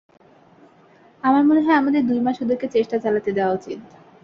আমার মনে হয় আমাদের দুই মাস ওদেরকে চেষ্টা চালাতে দেওয়া উচিত।